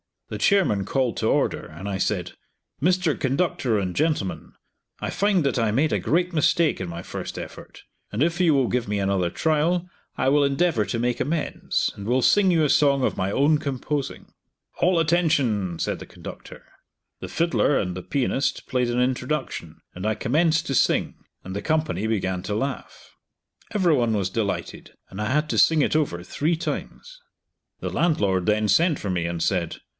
The chairman called to order, and I said, "Mr. Conductor and gentlemen I find that I made a great mistake in my first effort, and if you will give me another trial I will endeavor to make amends, and will sing you a song of my own composing." "All attention!" said the conductor. The fiddler and the pianist played an introduction, and I commenced to sing, and the company began to laugh. Every one was delighted, and I had to sing it over three times. The landlord then sent for me and said.